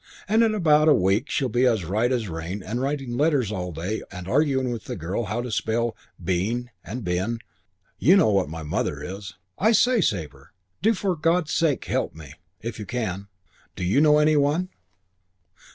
And in about a week she'll be as right as rain and writing me letters all day and arguing with the girl how to spell 'being' and 'been' you know what my mother is. I say, Sabre, do for God's sake help me, if you can. Do you know any one?"